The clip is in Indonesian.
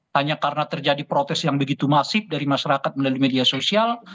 hanya karena terjadi protes yang begitu masif dari masyarakat melalui media sosial